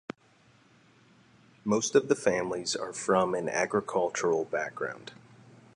Most of the families are from an agricultural background.